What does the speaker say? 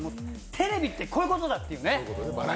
テレビってこういうことだっていうね。